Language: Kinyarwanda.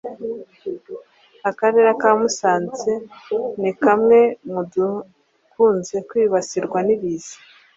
Akarere ka Musanze ni kamwe mu dukunze kwibasirwa n’ibiza